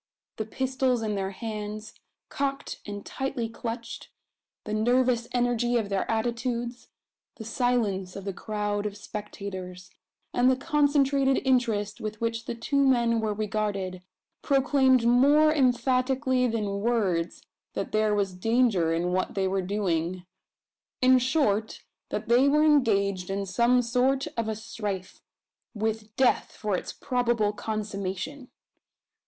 The pistols in their hands, cocked and tightly clutched; the nervous energy of their attitudes; the silence of the crowd of spectators; and the concentrated interest with which the two men were regarded, proclaimed more emphatically than words, that there was danger in what they were doing in short, that they were engaged in some sort of a strife, with death for its probable consummation!